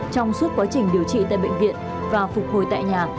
trong suốt quá trình điều trị tại bệnh viện và phục hồi tại nhà